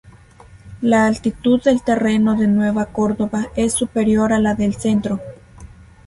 La altitud del terreno de Nueva Córdoba es superior a la del Centro.